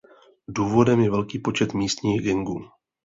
Důvodem je velký počet místních gangů.